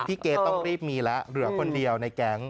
เกรทต้องรีบมีแล้วเหลือคนเดียวในแก๊ง